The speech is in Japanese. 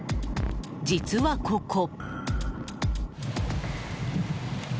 実はここ。